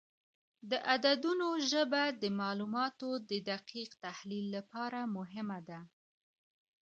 د عددونو ژبه د معلوماتو د دقیق تحلیل لپاره مهمه ده.